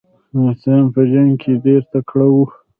مراتیان په جنګ کې ډیر تکړه وو.